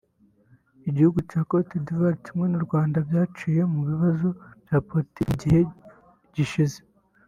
Igihugu cya Côte d’Ivoire kimwe n’u Rwanda byaciye mu bibazo bya Politiki mu gihe gishize